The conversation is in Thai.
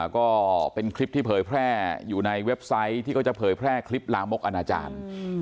ก็เป็นคลิปที่เผยแพร่อยู่ในเว็บไซต์ที่เขาจะเผยแพร่คลิปลามกอนาจารย์